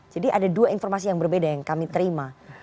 jadi ada dua informasi yang berbeda yang kami terima